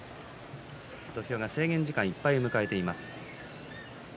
土俵が制限時間いっぱいを迎えています。